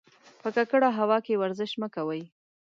په ککړه هوا کې ورزش مه کوئ.